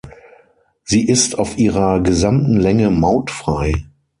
Sie ist auf ihrer gesamten Länge mautfrei.